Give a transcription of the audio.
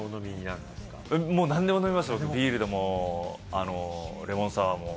何でも飲みますよ、ビールでもレモンサワーも。